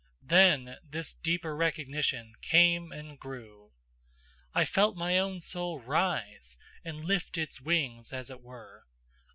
Then this deeper recognition came and grew. I felt my own soul rise and lift its wings, as it were.